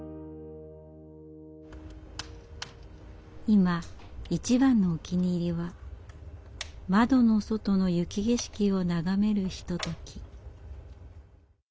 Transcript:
今一番のお気に入りは窓の外の雪景色を眺めるひととき。